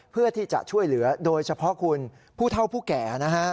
เพื่อที่จะช่วยเหลือโดยเฉพาะคุณผู้เท่าผู้แก่นะฮะ